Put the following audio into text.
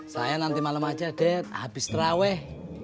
saya nanti malam aja dad habis traweh